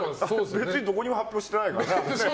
別にどこにも発表してないから。